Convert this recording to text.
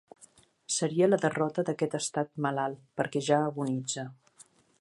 Seria la derrota d’aquest estat malalt, perquè ja agonitza.